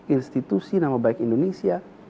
institusi nama baik indonesia